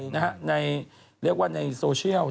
แฟนคลับเนี่ยเรียกว่าในโซเชียลทั้งหมด